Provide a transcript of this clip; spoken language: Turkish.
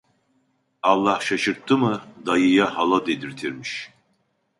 Allah şaşırttı mı, dayıya hala dedirtirmiş.